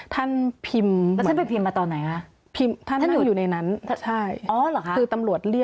ท่านพิมพ์เหมือน